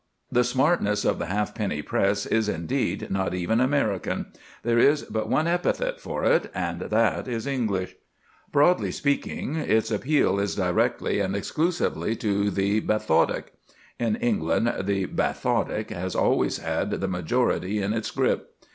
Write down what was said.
The smartness of the halfpenny press is indeed not even American. There is but one epithet for it, and that is English. Broadly speaking, its appeal is directly and exclusively to the bathotic. In England the bathotic has always had the majority in its grip.